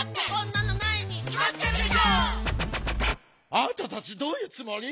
あたたちどういうつもり？